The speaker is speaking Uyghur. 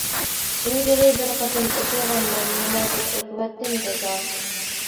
ئىلگىرى بىر قېتىم ئوقۇغانمەن، يەنە بىر ئوقۇۋەتتىم تازا.